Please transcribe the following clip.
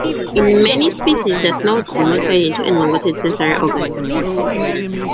In many species, the snout is modified into an elongated sensory organ.